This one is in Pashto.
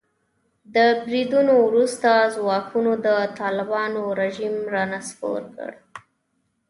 د بریدونو وروسته ځواکونو د طالبانو رژیم را نسکور کړ.